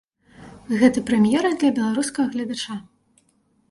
Гэта прэм'ера для беларускага гледача.